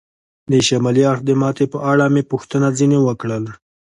د شمالي اړخ د ماتې په اړه مې پوښتنه ځنې وکړل.